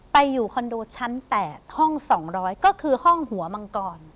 อยู่คอนโดชั้น๘ห้อง๒๐๐ก็คือห้องหัวมังกร